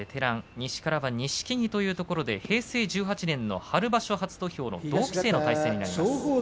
西からは錦木というところで平成１８年の春場所初土俵の同期生の対戦になります。